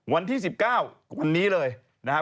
วันที่๑๙วันนี้เลยนะครับ